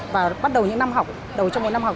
và bắt đầu những năm học đầu trong mỗi năm học